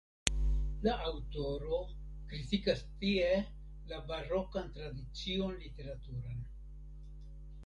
La aŭtoro kritikas tie la barokan tradicion literaturan.